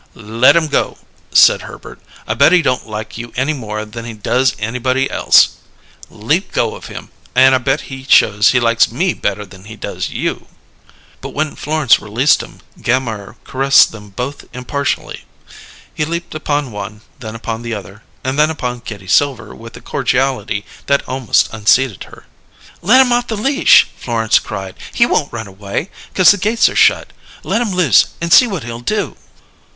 "Let him go," said Herbert. "I bet he don't like you any more than he does anybody else. Leave go of him, and I bet he shows he likes me better than he does you." But when Florence released him, Gammire caressed them both impartially. He leaped upon one, then upon the other, and then upon Kitty Silver with a cordiality that almost unseated her. "Let him off the leash," Florence cried. "He won't run away, 'cause the gates are shut. Let him loose and see what he'll do."